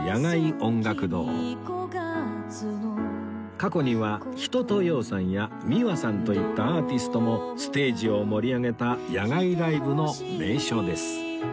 過去には一青窈さんや ｍｉｗａ さんといったアーティストもステージを盛り上げた野外ライブの名所です